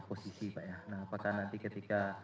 posisi pak ya nah apakah nanti ketika